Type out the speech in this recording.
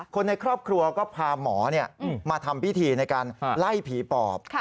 คนในครอบครัวก็พาหมอมาทำพิธีในการไล่ผีปอบ